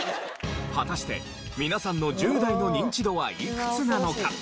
果たして皆さんの１０代のニンチドはいくつなのか？